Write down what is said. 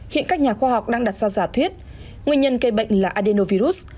hiện các nhà khoa học đang đặt ra giả thuyết nguyên nhân gây bệnh là adenovirus